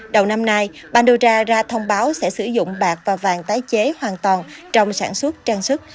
đầu năm nay pandora ra thông báo sẽ sử dụng bạc và vàng tái chế hoàn toàn trong sản xuất trang sức